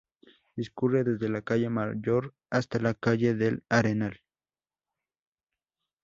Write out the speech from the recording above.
Discurre desde la calle Mayor hasta la calle del Arenal.